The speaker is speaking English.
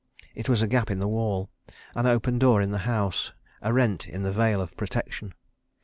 It was a gap in the wall, an open door in the house, a rent in the veil of protection.